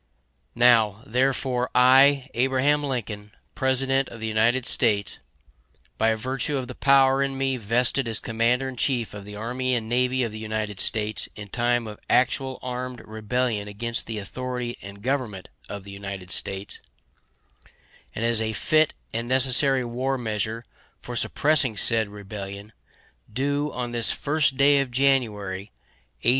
Now, therefore, I, Abraham Lincoln, President of the United States, by virtue of the power in me vested as Commander In Chief of the Army and Navy of the United States in time of actual armed rebellion against the authority and government of the United States, and as a fit and necessary war measure for supressing said rebellion, do, on this 1st day of January, A.